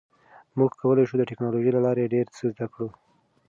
موږ کولی شو د ټکنالوژۍ له لارې ډیر څه زده کړو.